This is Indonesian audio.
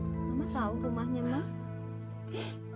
mama tau rumahnya ma